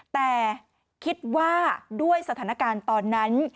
แต่คิดว่าด้วยสถานการณ์ตอนนั้น